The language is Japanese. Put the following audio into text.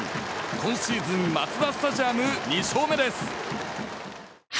今シーズンマツダスタジアム２勝目です。